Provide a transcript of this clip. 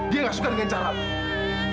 dia gak suka dengan caranya